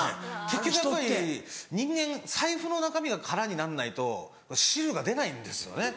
結局やっぱり人間財布の中身が空になんないと汁が出ないんですよね。